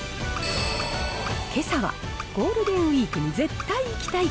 けさは、ゴールデンウィークに絶対行きたい！